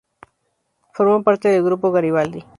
Formó parte del grupo Garibaldi.